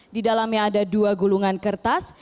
di dalamnya ada dua gulungan kertas